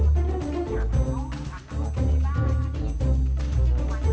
เพื่อนรับทราบ